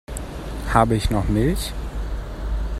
Habe ich noch Milch?